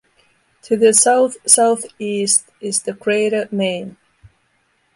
To the south-southeast is the crater Main.